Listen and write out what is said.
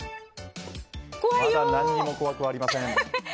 まだ何も怖くありません。